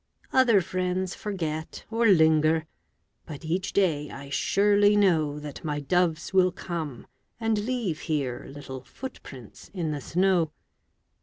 Other friends forget, or linger, But each day I surely know That my doves will come and leave here Little footprints in the snow.